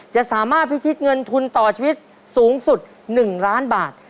จะสามารถพิชิตเงินทุนต่อชีวิตสูงสุด๑ล้านบาท